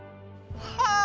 はあ！